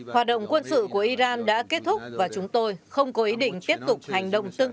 hoạt động quân sự của iran đã kết thúc và chúng tôi không có ý định tiếp tục hành động tương tự